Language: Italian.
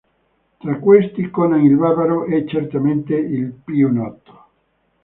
Tra questi Conan il Barbaro è certamente il più noto.